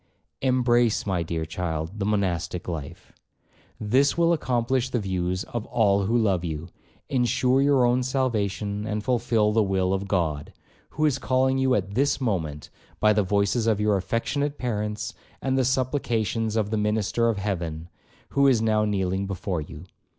'Embrace, my dear child, the monastic life; this will accomplish the views of all who love you, ensure your own salvation, and fulfil the will of God, who is calling you at this moment by the voices of your affectionate parents, and the supplications of the minister of heaven, who is now kneeling before you.'